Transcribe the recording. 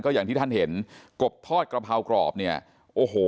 อย่างที่ท่านเห็นกบทอดกระเพรากรอบเนี่ยโอ้โห